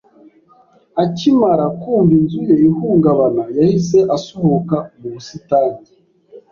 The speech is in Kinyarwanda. Akimara kumva inzu ye ihungabana, yahise asohoka mu busitani.